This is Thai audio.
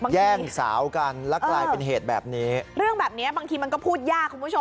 แย่งสาวกันแล้วกลายเป็นเหตุแบบนี้เรื่องแบบเนี้ยบางทีมันก็พูดยากคุณผู้ชม